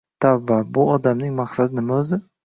Tavba, bu odamning maqsadi nima o`zi